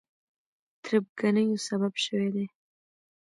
تربګنیو سبب شوي دي.